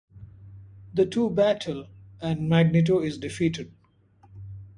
The two battle, and Magneto is defeated.